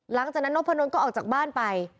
หลังจากนั้นนพะดนก็ออกจากบ้านไป